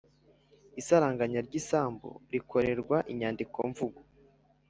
Isaranganya ry isambu rikorerwa inyandikomvugo